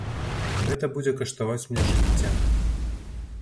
Гэта будзе каштаваць мне жыцця.